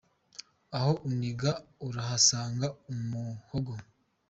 Aho uniga urahasanga umuhogo.